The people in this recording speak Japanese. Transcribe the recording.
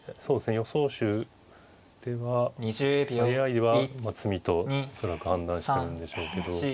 予想手ではＡＩでは詰みと恐らく判断してるんでしょうけど。